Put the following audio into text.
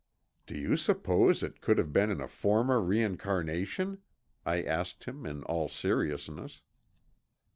"Do you suppose it could have been in a former reincarnation?" I asked him in all seriousness.